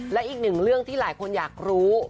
และอีกหนึ่งเรื่องที่หลายคนอยากรู้